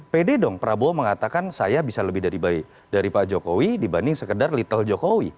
pede dong prabowo mengatakan saya bisa lebih dari pak jokowi dibanding sekedar little jokowi